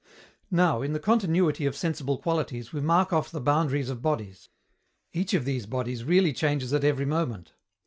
Now, in the continuity of sensible qualities we mark off the boundaries of bodies. Each of these bodies really changes at every moment.